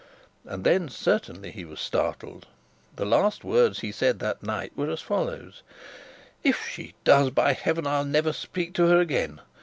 And then certainly he was startled. The last words he said that night were as follows: 'If she does, by heaven, I'll never speak to her again.